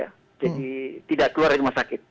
jadi tidak keluar rumah sakit